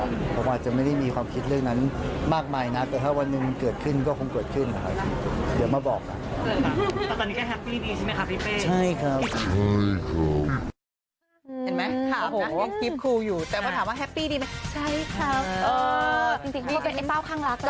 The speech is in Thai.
พอเขาโหดใส่กันนี่คือสะกิดเลยนะ